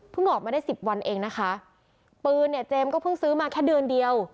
ออกมาได้สิบวันเองนะคะปืนเนี่ยเจมส์ก็เพิ่งซื้อมาแค่เดือนเดียว